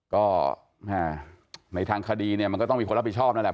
ก็ในทางคดีเนี่ยมันก็ต้องมีคนรับผิดชอบนั่นแหละ